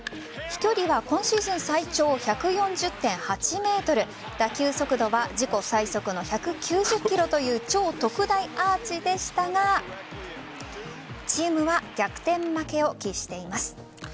飛距離は今シーズン最長１４０．８ｍ打球速度は自己最速の１９０キロという超特大アーチでしたがチームは逆転負けを喫しています。